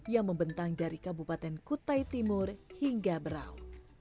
yang membentang dari kabupaten kutai timur hingga berau